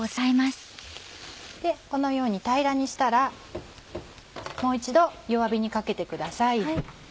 このように平らにしたらもう一度弱火にかけてください。